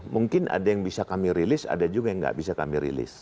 mungkin ada yang bisa kami rilis ada juga yang nggak bisa kami rilis